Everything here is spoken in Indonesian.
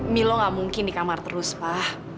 milo gak mungkin di kamar terus pak